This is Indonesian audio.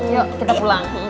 yuk kita pulang